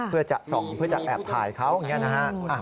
เพื่อจะแอบถ่ายเขาอย่างนี้นะฮะ